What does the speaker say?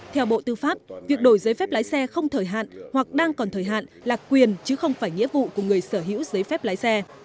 theo bộ tư pháp việc đổi giấy phép lái xe không thời hạn hoặc đang còn thời hạn là quyền chứ không phải nghĩa vụ của người sở hữu giấy phép lái xe